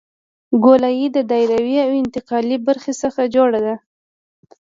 ګولایي د دایروي او انتقالي برخو څخه جوړه ده